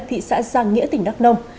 thị xã giang nghĩa tỉnh đắc nông